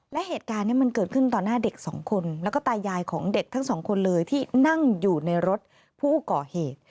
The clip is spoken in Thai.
และเหตุการณ์นี้มันเกิดขึ้นต่อหน้าเด็กสองคนแล้วก็ตายายของเด็กทั้งสองคนเลยที่นั่งอยู่ในรถผู้ก่อเหตุ